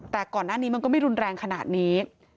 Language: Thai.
แต่ก่อนหน้านี้มันก็ไม่รุนแรงขนาดนี้